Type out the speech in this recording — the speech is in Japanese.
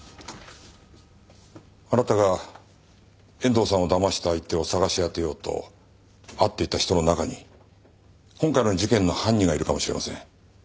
あなたが遠藤さんをだました相手を捜し当てようと会っていた人の中に今回の事件の犯人がいるかもしれません。